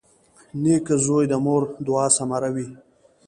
• نېک زوی د مور د دعا ثمره وي.